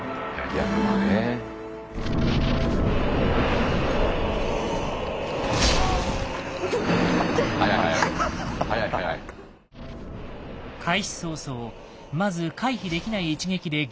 開始早々まず回避できない一撃でゲームオーバー。